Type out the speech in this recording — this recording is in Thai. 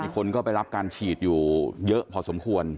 คนก็ไปรับการฉีดอยู่เยอะพอสมควร